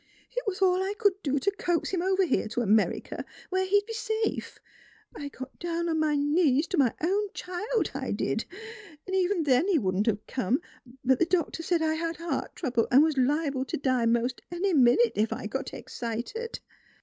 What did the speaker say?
" It was all I could do to coax him over here to America, where he'd be safe. I got down on my knees to my own child, I did ! An' even then he wouldn't have come, but the doctor said I had heart trouble an' was liable to die most any minute, if I got excited."